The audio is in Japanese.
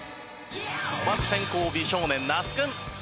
まず先攻美少年那須君。